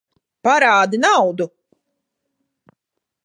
Parādi naudu!